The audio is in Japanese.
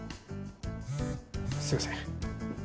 すいません。